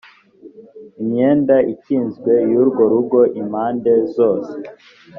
imyenda ikinzwe y urwo rugo y impande zose